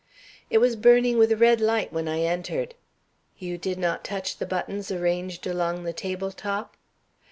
"It was burning with a red light when I entered." "You did not touch the buttons arranged along the table top?"